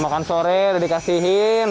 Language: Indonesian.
makan sore udah dikasihin